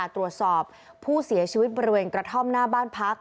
ตรวจสอบผู้เสียชีวิตบริเวณกระท่อมหน้าบ้านพัก